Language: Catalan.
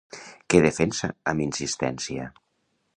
Què defensa amb insistència?